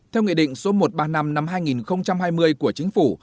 theo nghị định số một trăm ba mươi năm năm hai nghìn hai mươi của chính phủ